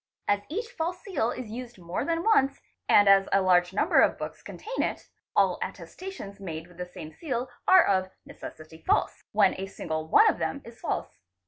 As each false seal is used more than once, and as a large number of books contain it, all attestations made with the same seal are of necessity | false when a.single one of them is false.